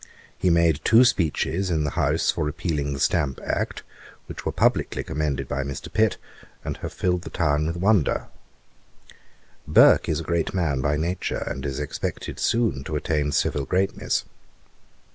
He made two speeches in the House for repealing the Stamp act, which were publickly commended by Mr. Pitt, and have filled the town with wonder. 'Burke is a great man by nature, and is expected soon to attain civil greatness.